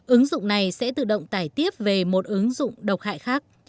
ứng dụng này sẽ tự động tải tiếp về một ứng dụng độc hại khác